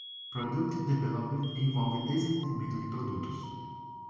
Product Development envolve desenvolvimento de produtos.